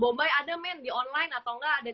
bombay ada main di online atau enggak ada